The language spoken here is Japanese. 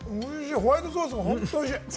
ホワイトソースも本当おいしい！